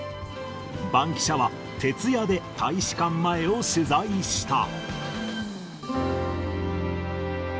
バンキシャは徹夜で大使館前を取材した。